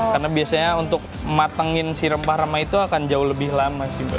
karena biasanya untuk mematengin si rempah rempah itu akan jauh lebih lama sih mbak